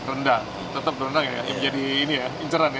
rendang tetap rendang ya jadi ini ya inceran ya